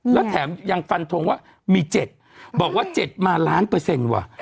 แล้วแถมยังฟันทงว่ามี๗บอกว่า๗มาล้านเปอร์เซ็นต์ว่ะ